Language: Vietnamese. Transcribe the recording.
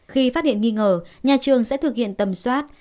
khi phát hiện nghi ngờ nhà trường sẽ thực hiện tầm soát